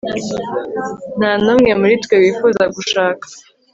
nta n'umwe muri twe wifuza gushaka